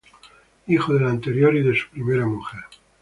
Hijo del anterior y de su primera mujer.